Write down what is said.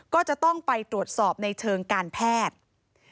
ก็จะต้องไปตรวจสอบในเชิงการแพทย์